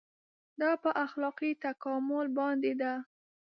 دا په اخلاقي تکامل باندې ده.